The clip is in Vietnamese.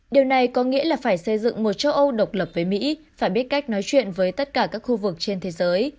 điều này có nghĩa là phải xây dựng một châu âu độc lập với mỹ phải biết cách nói chuyện với tất cả các khu vực trên thế giới